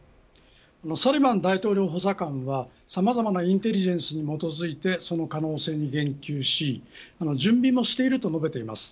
サリバン大統領補佐官がさまざまなインテリジェンスに基づいてその可能性に言及し準備もしていると述べています。